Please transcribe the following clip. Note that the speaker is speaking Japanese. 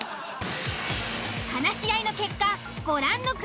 話し合いの結果ご覧の組分けに。